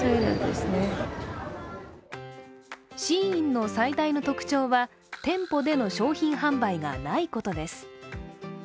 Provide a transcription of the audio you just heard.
ＳＨＥＩＮの最大の特徴は、店舗での商品販売がないことです。